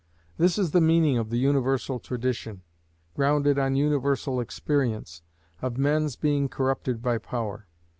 This is the meaning of the universal tradition, grounded on universal experience, of men's being corrupted by power.